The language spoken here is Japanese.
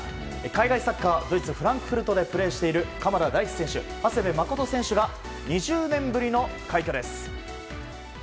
海外サッカードイツ、フランクフルトでプレーしている鎌田大地選手、長谷部誠選手が２０年ぶりの快挙です。